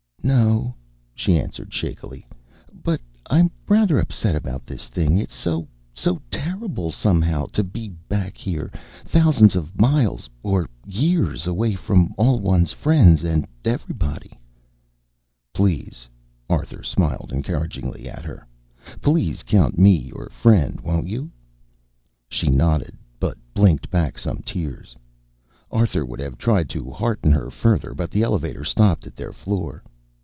"No," she answered shakily, "but I'm rather upset about this thing. It's so so terrible, somehow, to be back here, thousands of miles, or years, away from all one's friends and everybody." "Please" Arthur smiled encouragingly at her "please count me your friend, won't you?" She nodded, but blinked back some tears. Arthur would have tried to hearten her further, but the elevator stopped at their floor.